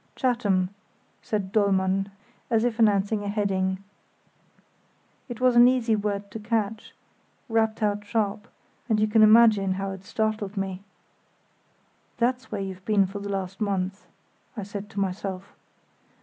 "Chatham," said Dollmann, as if announcing a heading. It was an easy word to catch, rapped out sharp, and you can imagine how it startled me. "That's where you've been for the last month!" I said to myself.